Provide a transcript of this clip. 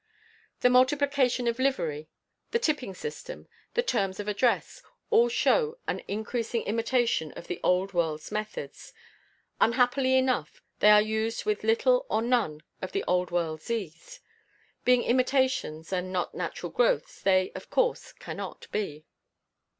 The multiplication of livery, the tipping system, the terms of address, all show an increasing imitation of the old world's methods. Unhappily enough, they are used with little or none of the old world's ease. Being imitations and not natural growths, they, of course, cannot be.